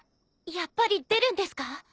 やっぱり出るんですか？